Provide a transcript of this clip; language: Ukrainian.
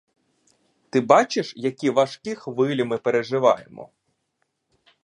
Ти бачиш, які важкі хвилі ми переживаємо?